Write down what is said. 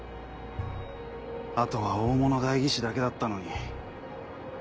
あとは大物代議士だけだったのに。